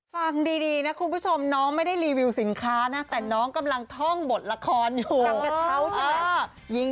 ฟังดีนะคุณผู้ชมน้องไม่ได้รีวิวสินค้านะแต่น้องกำลังท่องบทละครอยู่